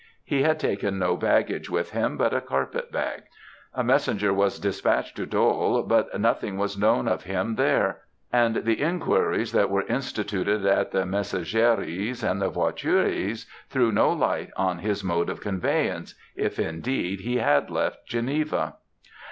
He had taken no baggage with him but a carpet bag. A messenger was despatched to Dôle, but nothing was known of him there; and the enquiries that were instituted at the Messageries and Voituriers threw no light on his mode of conveyance, if, indeed, he had left Geneva.